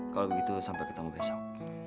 kalau begitu sampai ketemu besok